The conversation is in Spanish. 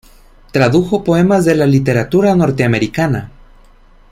Tradujo poemas de la literatura norteamericana.